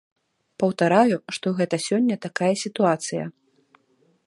Паўтараю, што гэта сёння такая сітуацыя.